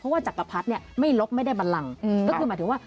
ว่าจักรพรรดิเนี่ยไม่ลบไม่ได้บันลังก็คือหมายถึงว่า